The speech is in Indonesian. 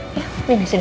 ini sini sini